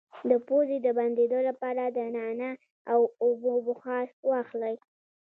د پوزې د بندیدو لپاره د نعناع او اوبو بخار واخلئ